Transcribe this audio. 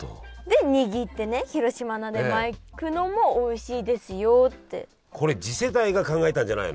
で握ってね広島菜で巻くのもおいしいですよって。